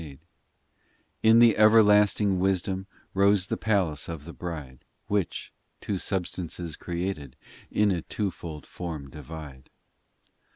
POEMS 28l In the everlasting wisdom Rose the palace of the bride, Which two substances created In a twofold form divide.